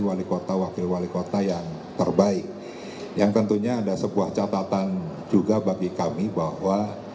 wali kota wakil wali kota yang terbaik yang tentunya ada sebuah catatan juga bagi kami bahwa